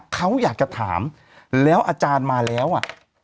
เขาอยากจะถามแล้วอาจารย์มาแล้วอ่ะ